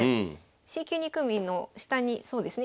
Ｃ級２組の下にそうですね